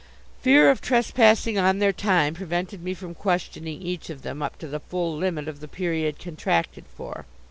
Fear of trespassing on their time prevented me from questioning each of them up to the full limit of the period contracted for.